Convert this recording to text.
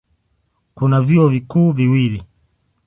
Kuna vyuo vikuu viwili.